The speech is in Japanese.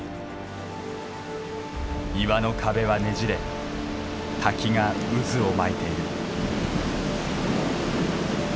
岩の壁はねじれ滝が渦を巻いている。